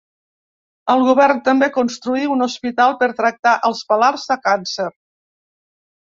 El govern també construí un hospital per tractar els malalts de càncer.